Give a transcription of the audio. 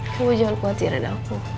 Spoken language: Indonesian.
kamu jangan khawatir ada aku